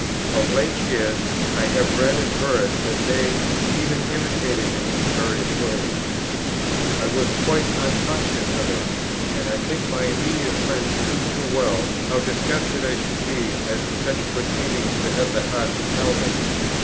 Of late years I have read and heard that they even imitated me in various ways. I was quite unconscious of it, and I think my immediate friends knew too well how disgusted I should be at such proceedings, to have the heart to tell me.